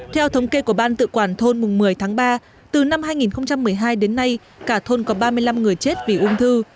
theo thống kê của ban tự quản thôn mùng một mươi tháng ba từ năm hai nghìn một mươi hai đến nay cả thôn có ba mươi năm người chết vì ung thư